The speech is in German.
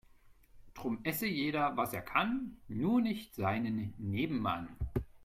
Drum esse jeder was er kann, nur nicht seinen Nebenmann.